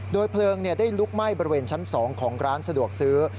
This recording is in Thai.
เพลิงได้ลุกไหม้บริเวณชั้น๒ของร้านสะดวกซื้อ